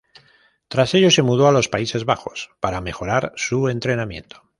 Tras ellos se mudó a los Países Bajos para mejorar su entrenamiento.